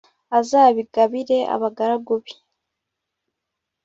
azabigabire abagaragu be